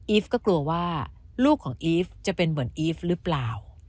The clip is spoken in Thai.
ฟก็กลัวว่าลูกของอีฟจะเป็นเหมือนอีฟหรือเปล่า